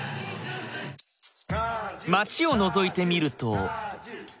街をのぞいてみると。